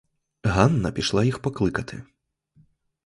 Ганна пішла їх покликати.